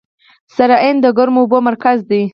سرعین د ګرمو اوبو مرکز دی.